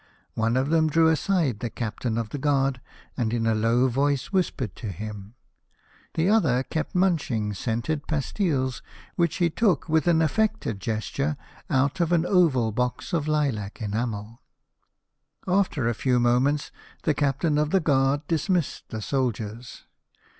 One of them drew aside the captain of the guard, and in a low voice whispered to him. The other kept munching scented pastilles, which he took with an affected gesture out of an oval box of lilac enamel. " After a few moments the captain of the guard dismissed the soldiers.